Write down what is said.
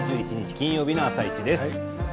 金曜日の「あさイチ」です。